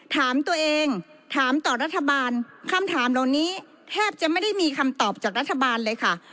ถามตัวเองถามต่อรัฐบาลคำถามเหล่านี้แทบจะไม่ได้มีคำตอบจากรัฐบาลเลยค่ะ